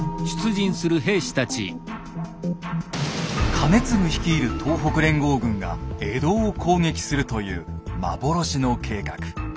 兼続率いる東北連合軍が江戸を攻撃するという幻の計画。